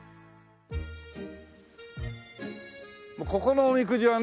もうここのおみくじはね